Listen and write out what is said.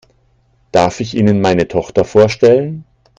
Darf ich Ihnen meine Tochter vorstellen?